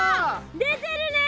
出てるね。